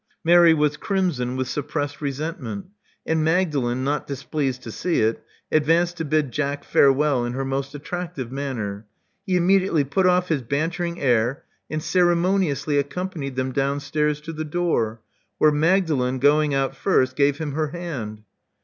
Mary was crimson with suppressed resentment; and Magdalen, not displeased to see it, advanced to bid Jack farewell in her most attractive manner. He immediately put off his bantering air, and ceremoniously accompanied them downstairs to the door, where Magdalen, going out first, gave him her hand.